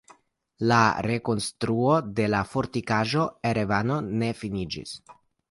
La rekonstruo de la Fortikaĵo Erevano ne finiĝis.